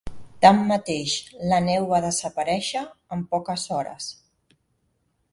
Tanmateix, la neu va desaparèixer en poques hores.